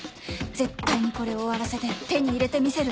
絶対にこれを終わらせて手に入れてみせる！